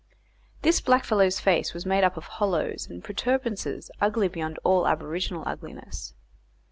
This blackfellow's face was made up of hollows and protuberances ugly beyond all aboriginal ugliness.